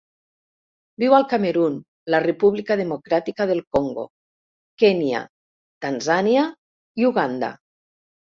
Viu al Camerun, la República Democràtica del Congo, Kenya, Tanzània i Uganda.